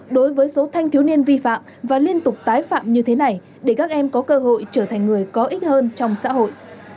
đối với số thanh thiếu niên vi phạm và liên tục tái phạm như thế này để các em có cơ hội trở thành người có ích hơn trong xã hội